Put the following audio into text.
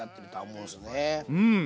うん。